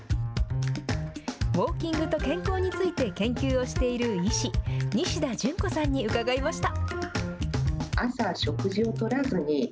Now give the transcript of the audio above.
ウォーキングと健康について研究をしている医師、西田潤子さんに伺いました。